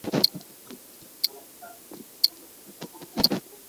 ما په ژړغوني اواز